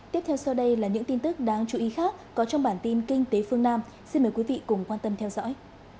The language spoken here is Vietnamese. tiếp theo sau đây là những tin tức đáng chú ý khác có trong bản tin kinh tế phương nam xin mời quý vị cùng quan tâm theo dõi